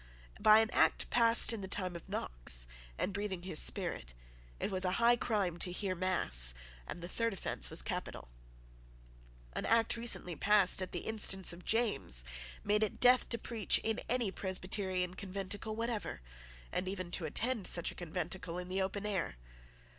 By an Act passed in the time of Knox, and breathing his spirit, it was a high crime to hear mass, and the third offence was capital. An Act recently passed, at the instance of James, made it death to preach in any Presbyterian conventicle whatever, and even to attend such a conventicle in the open air.